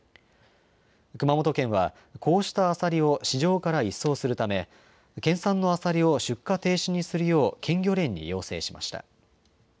熊本県は、こうしたアサリを市場から一掃するため、県産のアサリを出荷停止にするよう県漁連に要請しました。